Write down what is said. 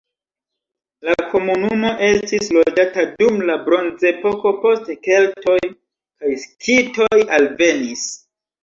La komunumo estis loĝata dum la bronzepoko, poste keltoj kaj skitoj alvenis.